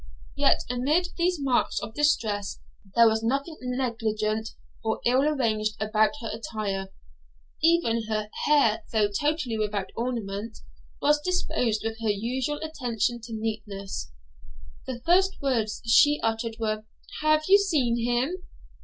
Yet, amid these marks of distress there was nothing negligent or ill arranged about her attire; even her hair, though totally without ornament, was disposed with her usual attention to neatness. The first words she uttered were, 'Have you seen him?'